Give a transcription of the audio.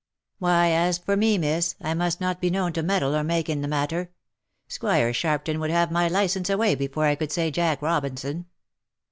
'* Why, as for me, miss, I must not be known to meddle or make in the matter. Squire Sharpton would have my licence away before I could say Jack Robinson.